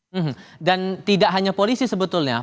hmm dan tidak hanya polisi sebetulnya